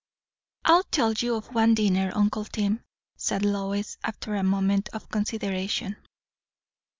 "I'll tell you of one dinner, uncle Tim," said Lois, after a moment of consideration.